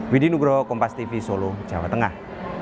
widi nugroho kompas tv solo jawa tengah